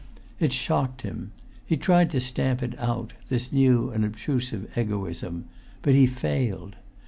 It shocked him. He tried to stamp it out, this new and obtrusive egoism; but he failed.